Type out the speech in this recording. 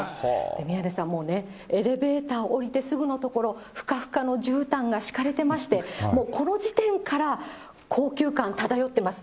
宮根さん、もうね、エレベーター下りてすぐの所、ふかふかのじゅうたんが敷かれてまして、もうこの時点から高級感漂っています。